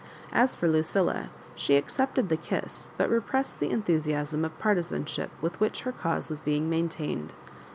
As for Lucilla, she accepted the kiss, but repressed the enthusi asm of partisanship with which her cause was being maintained.